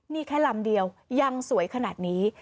นี่แค่ลำเดียวยังสวยขนาดนี้